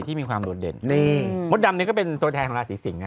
ที่มีความโดดเด่นนี่มดดำนี่ก็เป็นตัวแทนของราศีสิง